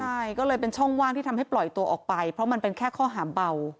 ใช่ก็เลยเป็นช่องว่างที่ทำให้ปล่อยตัวออกไปเพราะมันเป็นแค่ข้อหาเบา